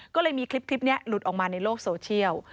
ก็เลยมีคลิปนี้หลุดออกมาในโลกโซเชียล